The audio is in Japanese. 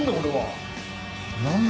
何だ？